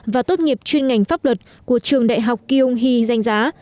và tốt nghiệp chuyên ngành pháp luật của trường đại học kyung hee danh giá